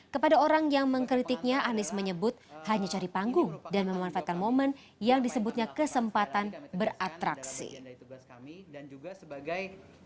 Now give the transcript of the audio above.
kepada orang yang mengkritiknya anies menyebut hanya cari panggung dan memanfaatkan momen yang disebutnya kesempatan beratraksi